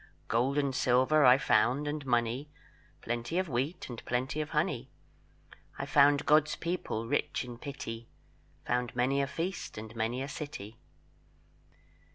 Gold and silver I found, and money, Plenty of wheat, and plenty of honey; I found God's people rich in pity, Found many a feast, and many a city."